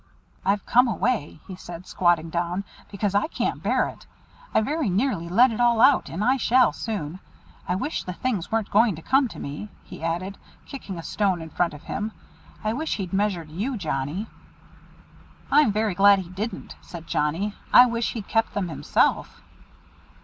"I've come away," he said, squatting down, "because I can't bear it. I very nearly let it all out, and I shall soon. I wish the things weren't going to come to me," he added, kicking a stone in front of him. "I wish he'd measured you, Johnnie." "I'm very glad he didn't," said Johnnie. "I wish he'd kept them himself."